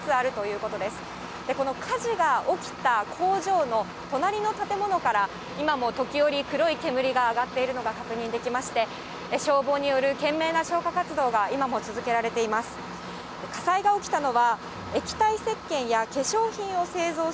この火事が起きた工場の隣の建物から、今も時折、黒い煙が上がっているのが確認できまして、消防による懸命な消火活動が今も続けられています。